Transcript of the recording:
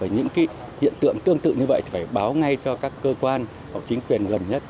những hiện tượng tương tự như vậy phải báo ngay cho các cơ quan chính quyền gần nhất